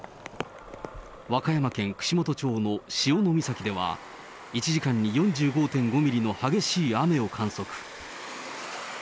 和歌山県串本町の潮岬では、１時間に４５．５ミリの激しい雨を観測。